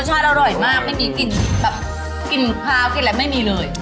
รสชาติอร่อยมากไม่มีกลิ่นแบบกลิ่นขาวกลิ่นแหละไม่มีเลย